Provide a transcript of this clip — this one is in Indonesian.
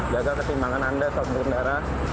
jaga ketimbangan anda saat berkendara